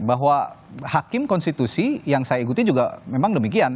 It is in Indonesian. bahwa hakim konstitusi yang saya ikuti juga memang demikian